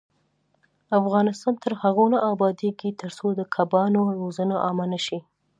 افغانستان تر هغو نه ابادیږي، ترڅو د کبانو روزنه عامه نشي.